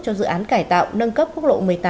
cho dự án cải tạo nâng cấp quốc lộ một mươi tám